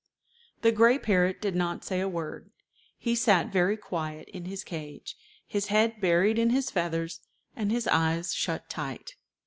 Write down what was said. The gray parrot did not say a word. He sat very quiet in his cage, his head buried in his feathers, and his eyes shut tight.